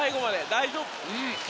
大丈夫。